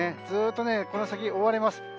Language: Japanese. ずっとこの先、覆われます。